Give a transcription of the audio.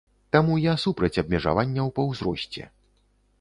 Таму я супраць абмежаванняў па ўзросце.